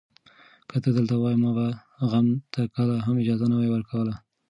که ته دلته وای، ما به غم ته کله هم اجازه نه ورکوله.